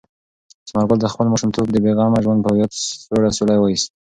ثمر ګل د خپل ماشومتوب د بې غمه ژوند په یاد سوړ اسویلی وایست.